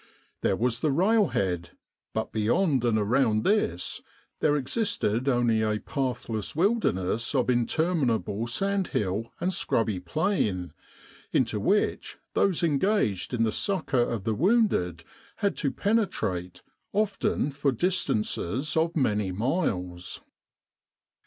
There was the railhead, but beyond and around this there existed only a pathless wilderness of interminable sand hill and scrubby plain, into which those engaged in the succour of the wounded had to pene trate often for distances of many miles.